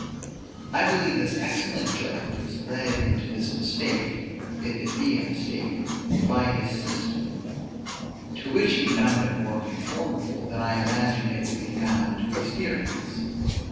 I believe this excellent judge was led into this mistake (if it be a mistake) by his system; to which he found it more conformable than I imagine it will be found to experience.